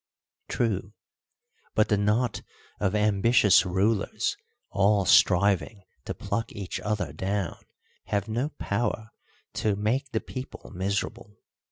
True; but the knot of ambitious rulers all striving to pluck each other down have no power to make the people miserable.